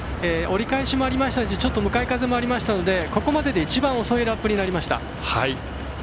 折り返しもありましたしちょっと向かい風もありましたのでここまでで一番遅いラップになりました。